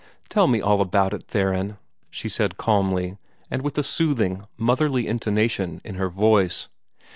"Tell me all about it, Theron," she said calmly, and with a soothing, motherly intonation in her voice.